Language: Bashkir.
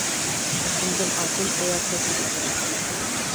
Ҡатындың атын ояты сығарыр.